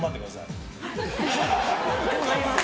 頑張ります。